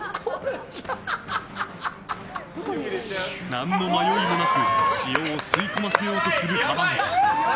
何の迷いもなく塩を吸い込ませようとする浜口。